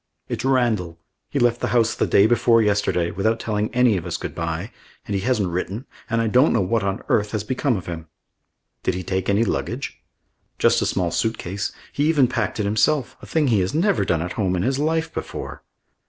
"It's Randall. He left the house the day before yesterday, without telling any of us good bye, and he hasn't written, and I don't know what on earth has become of him." "Did he take any luggage?" "Just a small suit case. He even packed it himself, a thing he has never done at home in his life before."